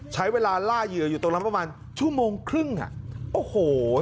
ใช้เวลาล่าเหยื่ออยู่ตรงนั้นประมาณชั่วโมงครึ่งอ่ะโอ้โห